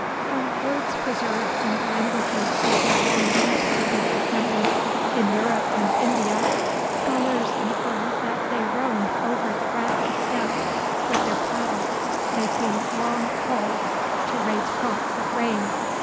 From words preserved in the languages of their long separated descendants in Europe and India, scholars infer that they roamed over the grassy steppes with their cattle, making long halts to raise crops of grain.